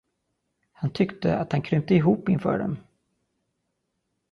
Han tyckte, att han krympte ihop inför dem.